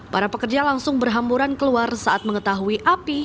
para pekerja langsung berhamburan keluar saat mengetahui api